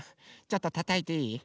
ちょっとたたいていい？